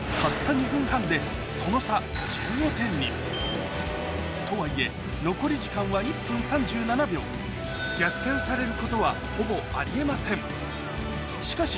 ２分半でその差とはいえ残り時間は１分３７秒逆転されることはほぼあり得ません